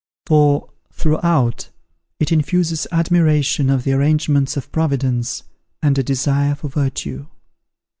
For, throughout, it infuses admiration of the arrangements of Providence, and a desire for virtue.